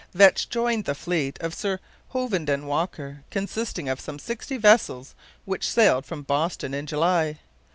Vetch joined the fleet of Sir Hovenden Walker, consisting of some sixty vessels which sailed from Boston in July.